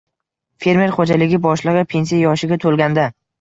Fermer xoʼjaligi boshligʼi pensiya yoshiga toʼlganda